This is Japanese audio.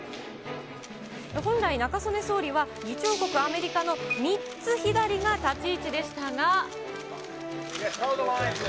本来、中曽根総理は議長国アメリカの３つ左が立ち位置でしたが。